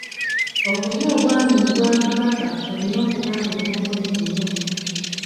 Okulya Obwami mu Bwakabaka olina okuba nga oli mukozi nnyo.